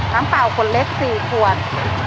น้ำเปล่าขวดเล็ก๔ขวด